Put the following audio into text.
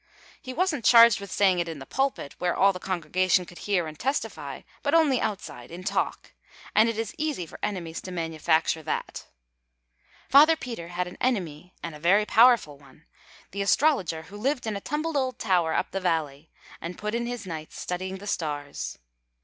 He wasn’t charged with saying it in the pulpit, where all the congregation could hear and testify, but only outside, in talk; and it is easy for enemies to manufacture that. Father Peter had an enemy and a very powerful one, the astrologer who lived in a tumbled old tower up the valley, and put in his nights studying the stars.